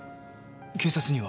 警察には？